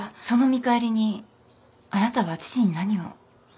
その見返りにあなたは父に何を。